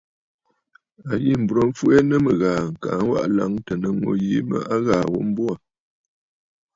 A yî m̀burə̀ m̀fwɛɛ nɨ mɨ̀ghàà kaa waʼà bùrə̀ laŋtə nɨ̂ ŋû yìi a ghàà ghu mbo aà.